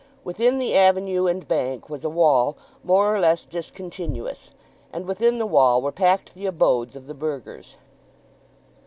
Within the avenue and bank was a wall more or less discontinuous, and within the wall were packed the abodes of the burghers.